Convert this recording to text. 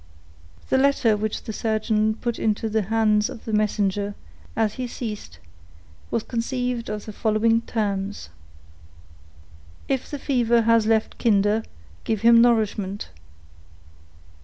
The letter which the surgeon put into the hands of his messenger, as he ceased, was conceived in the following terms:— "If the fever has left Kinder, give him nourishment.